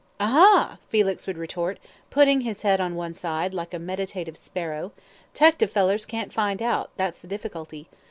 "Aha," Felix would retort, putting his head on one side, like a meditative sparrow; "'tective fellers can't find out; that's the difficulty.